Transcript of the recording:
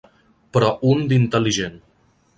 Però un d'intel·ligent.